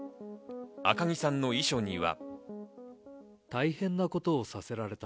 赤木さんの遺書には。